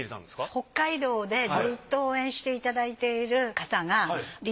北海道でずっと応援していただいている方がり